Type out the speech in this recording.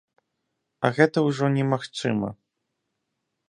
А гэта ўжо немагчыма.